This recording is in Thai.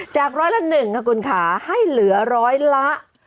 ร้อยละ๑ค่ะคุณค่ะให้เหลือร้อยละ